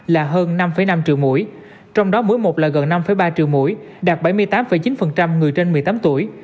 là hơn năm năm triệu mũi trong đó mỗi một là gần năm ba triệu mũi đạt bảy mươi tám chín người trên một mươi tám tuổi